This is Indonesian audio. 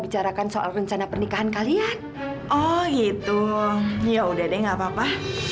bicarakan soal rencana pernikahan kalian oh gitu ya udah deh nggak apa apa